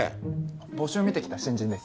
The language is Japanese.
募集見て来た新人です。